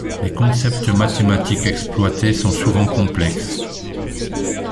Les concepts mathématiques exploités sont souvent complexes.